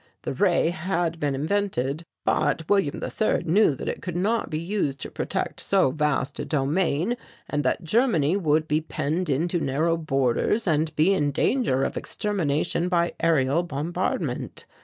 The Ray had been invented, but William the III knew that it could not be used to protect so vast a domain and that Germany would be penned into narrow borders and be in danger of extermination by aërial bombardment.